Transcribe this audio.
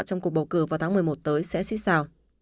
trong cuộc bầu cử vào tháng một mươi một tới sẽ xích sao